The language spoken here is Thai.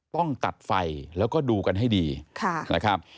ต้องตัดไฟแล้วก็ดูกันให้ดีนะครับ